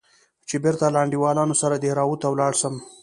چې بېرته له انډيوالانو سره دهراوت ته ولاړ سم.